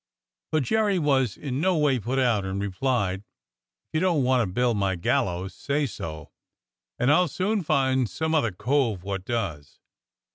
But Jerry was in no way put out, and replied : "If you don't want to build my gallows, say so, and I'll soon find some other cove wot does.